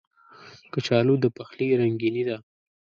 کچالو د پخلي رنګیني ده